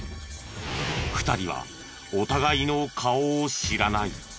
２人はお互いの顔を知らない。